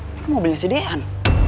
ini kan mobilnya si dean